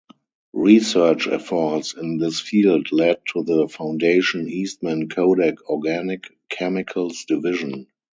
Research efforts in this field led to the foundation Eastman Kodak Organic Chemicals Division.